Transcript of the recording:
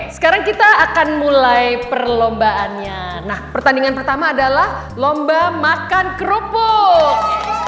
sekarang kita akan mulai perlombaannya nah pertandingan pertama adalah lomba makan kerupuk